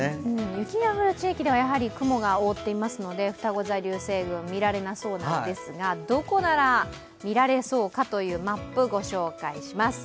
雪が降る地域は雲が覆っているのでふたご座流星群、見られなさそうなんですがどこなら見られそうかというマップをご紹介します。